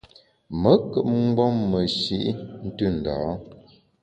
Me nkùp mgbom meshi’ ntù ndâ a.